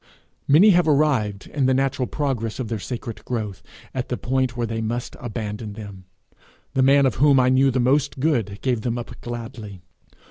Many have arrived, in the natural progress of their sacred growth, at the point where they must abandon them. The man of whom I knew the most good gave them up gladly.